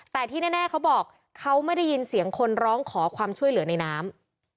แต่ที่แน่เขาบอกเขาไม่ได้ยินเสียงคนร้องขอความช่วยเหลือในน้ำ